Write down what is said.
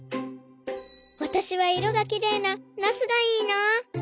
わたしはいろがきれいなナスがいいな。